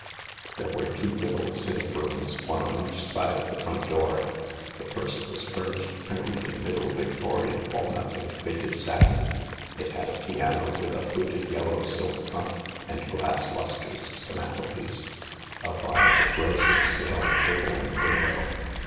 There were two little sitting rooms, one on each side of the front door. The first was furnished primly in Middle Victorian walnut and faded satin. It had a piano with a fluted yellow silk front, and glass lustres to the mantelpiece. A vase of roses stood on a table in the window.